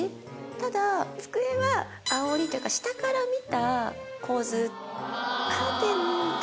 ただ机はあおりというか下から見た構図。